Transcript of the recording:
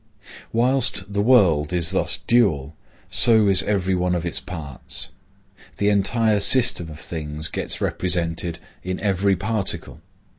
Whilst the world is thus dual, so is every one of its parts. The entire system of things gets represented in every particle.